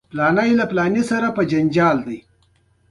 ستا چې هر چېرې نیت وي تلای شې.